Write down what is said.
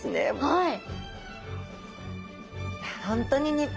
はい。